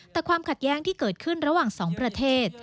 แต่ความขัดแย้งที่เกิดขึ้นระหว่างสองประเทศ